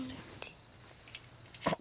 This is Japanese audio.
ここ！